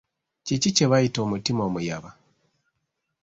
Kiki kye bayita omutima omuyaba?